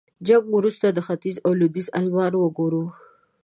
جنګ وروسته ختيځ لوېديځ المان وګورو.